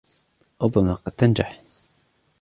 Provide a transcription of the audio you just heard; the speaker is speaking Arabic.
ربما قد تنجح.